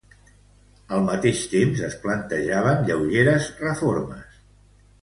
Al mateix temps, es plantejaven lleugeres reformes.